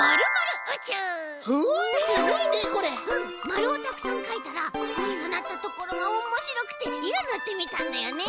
まるをたくさんかいたらかさなったところがおもしろくていろぬってみたんだよね！